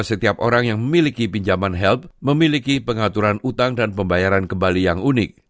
setiap orang yang memiliki pinjaman help memiliki pengaturan utang dan pembayaran kembali yang unik